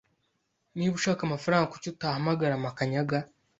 Niba ushaka amafaranga, kuki utahamagara Makanyaga?